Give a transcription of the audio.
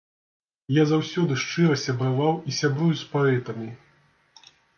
Я заўсёды шчыра сябраваў і сябрую з паэтамі.